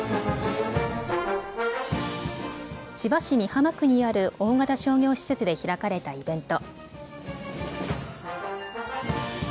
千葉市美浜区にある大型商業施設で開かれたイベント。